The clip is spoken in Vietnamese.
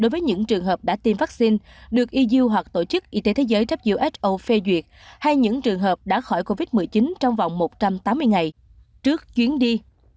đối với những trường hợp đã tiêm vaccine được eyu hoặc tổ chức y tế thế giới who phê duyệt hay những trường hợp đã khỏi covid một mươi chín trong vòng một trăm tám mươi ngày trước chuyến đi